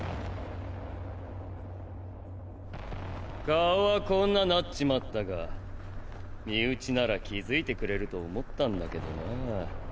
顔はこんななっちまったが身内なら気付いてくれると思ったんだけどなぁ。